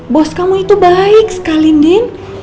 bos kamu itu baik sekali nin